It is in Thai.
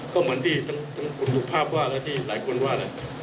ก็เหมือนที่ทั้งคุณภูมิภาพว่าและที่หลายคนว่า